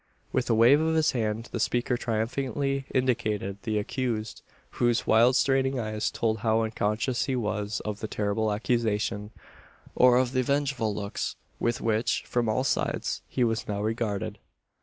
With a wave of his hand the speaker triumphantly indicated the accused whose wild straining eyes told how unconscious he was of the terrible accusation, or of the vengeful looks with which, from all sides, he was now regarded.